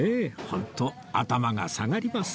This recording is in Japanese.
本当頭が下がります